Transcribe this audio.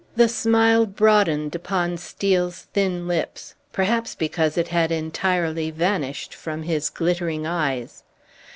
The smile broadened upon Steel's thin lips, perhaps because it had entirely vanished from his glittering eyes.